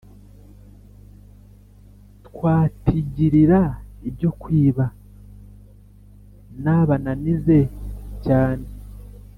Twatigirira ibyo kwiba nabananize cyane”.